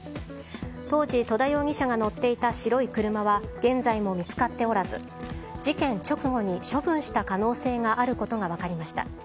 当時、戸田容疑者が乗っていた白い車は現在も見つかっておらず事件直後に処分した可能性があることが分かりました。